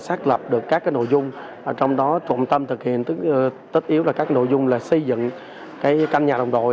đã xác lập được các nội dung trong đó trụng tâm thực hiện tích yếu là các nội dung là xây dựng canh nhà đồng đội